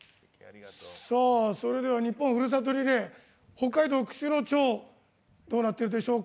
それではニッポンふるさとリレー北海道釧路町どうなっているでしょうか。